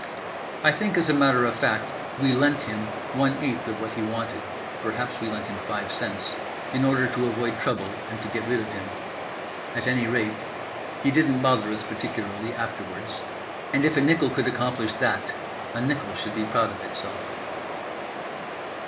I think, as a matter of fact, we "lent" him one eighth of what he wanted (perhaps we lent him five cents) in order to avoid trouble and get rid of him. At any rate, he didn't bother us particularly afterwards; and if a nickel could accomplish that a nickel should be proud of itself.